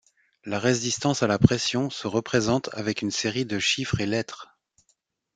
La résistance à la pression se représente avec une série de chiffres et lettres.